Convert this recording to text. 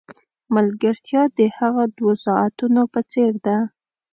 ملګرتیا د هغو دوو ساعتونو په څېر ده.